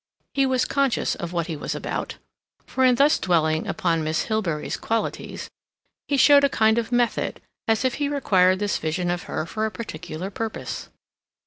He was conscious of what he was about, for in thus dwelling upon Miss Hilbery's qualities, he showed a kind of method, as if he required this vision of her for a particular purpose.